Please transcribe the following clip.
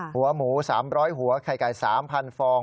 หัวหมู๓๐๐หัวไข่ไก่๓๐๐ฟอง